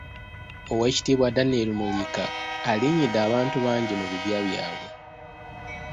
Ow’ekitiibwa Daniel Muliika alinnyidde abantu bangi mu bibya byabwe.